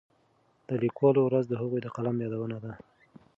د لیکوالو ورځ د هغوی د قلم یادونه ده.